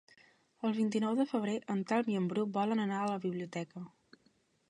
El vint-i-nou de febrer en Telm i en Bru volen anar a la biblioteca.